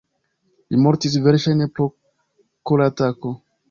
Li mortis verŝajne pro koratako.